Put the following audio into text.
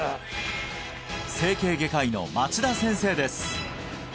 整形外科医の町田先生です